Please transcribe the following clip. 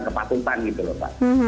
kepatutan gitu loh pak